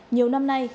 nhiều năm nay